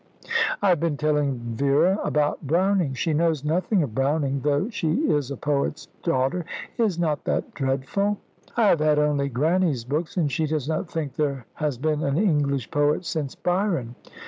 "I have been telling Vera about Browning. She knows nothing of Browning, though she is a poet's daughter. Is not that dreadful?" "I have had only Grannie's books, and she does not think there has been an English poet since Byron.